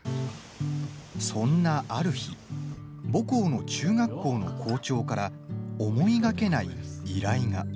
そんなある日母校の中学校の校長から思いがけない依頼が。